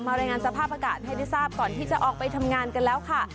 รายงานสภาพอากาศให้ได้ทราบก่อนที่จะออกไปทำงานกันแล้วค่ะ